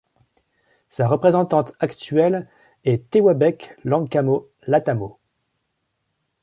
Sa représentante actuelle est Tewabech Lankamo Latamo.